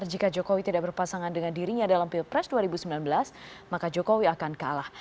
jika jokowi tidak berpasangan dengan dirinya dalam pilpres dua ribu sembilan belas maka jokowi akan kalah